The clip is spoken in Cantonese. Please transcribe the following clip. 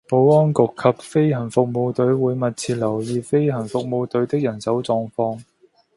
保安局及飛行服務隊會密切留意飛行服務隊的人手狀況